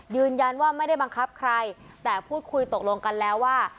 ยืนยันว่าไม่ได้บังคับใครแต่พูดคุยตกลงกันแล้วว่า